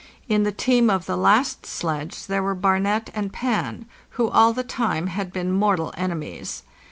In the team of the last sledge there were '" Barnet"? and " Pan," who all the time had been mortal enemies.